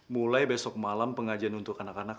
mulai besok malam pengajian untuk anak anak